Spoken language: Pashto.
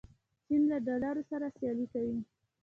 چین له ډالر سره سیالي کوي.